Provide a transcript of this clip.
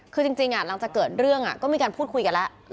คือจริงหลังจากเกิดเรื่องก็มีการพูดคุยกันแล้ว